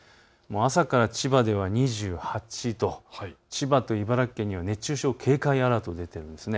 朝から千葉では２８度、千葉と茨城県には熱中症警戒アラートが出ています。